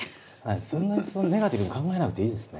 そんなにネガティブに考えなくていいですね。